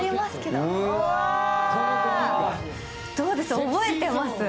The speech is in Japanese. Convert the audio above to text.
どうです、覚えてます？